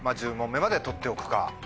１０問目まで取っておくか。